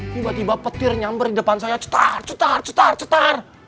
tiba tiba petir nyamber di depan saya cutar cetar cetar